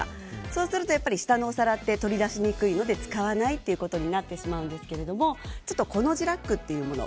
そうすると下のお皿って取り出しにくいので使わないことになってしまうんですがコの字ラックというもの。